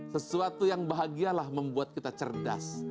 sesuatu yang bahagialah membuat kita cerdas